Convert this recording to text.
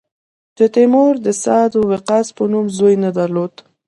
چې تیمور د سعد وقاص په نوم زوی نه درلود.